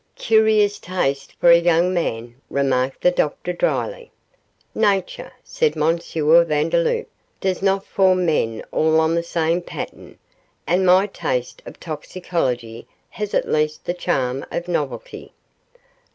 'Curious taste for a young man,' remarked the doctor, dryly. 'Nature,' said M. Vandeloup, 'does not form men all on the same pattern, and my taste for toxicology has at least the charm of novelty.